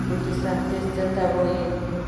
فوتوسنتیز څه ته وایي؟